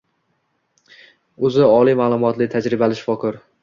O`zi oliy ma`lumotli, tajribali shifokor